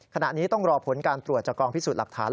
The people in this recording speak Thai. ขณะนี้ต้องรอผลการตรวจจากกองพิสูจน์หลักฐาน